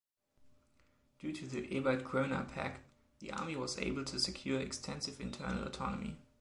Due to the Ebert-Groener-Pact the army was able to secure extensive internal autonomy.